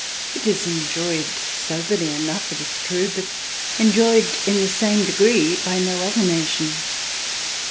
It is enjoyed soberly enough, it is true, but enjoyed in the same degree by no other nation.